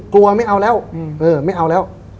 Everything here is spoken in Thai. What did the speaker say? กลัวไม่เอาแล้ว